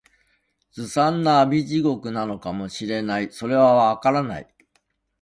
凄惨な阿鼻地獄なのかも知れない、それは、わからない